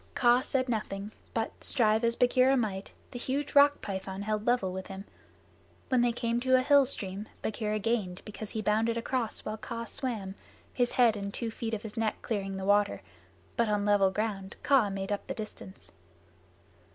Kaa said nothing, but, strive as Bagheera might, the huge Rock python held level with him. When they came to a hill stream, Bagheera gained, because he bounded across while Kaa swam, his head and two feet of his neck clearing the water, but on level ground Kaa made up the distance.